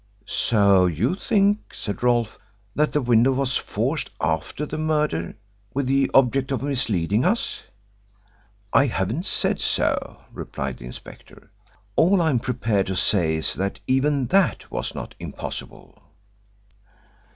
"So you think," said Rolfe, "that the window was forced after the murder with the object of misleading us." "I haven't said so," replied the inspector. "All I am prepared to say is that even that was not impossible."